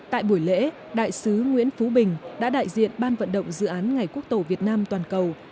tại buổi lễ đại sứ nguyễn phú bình đã đại diện ban vận động dự án ngày quốc tổ việt nam toàn cầu